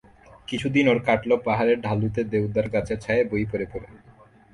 কিছুদিন ওর কাটল পাহাড়ের ঢালুতে দেওদার গাছের ছায়ায় বই পড়ে পড়ে।